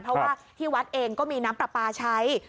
เพราะว่าที่วัดเองก็มีน้ำปลาปลาใช้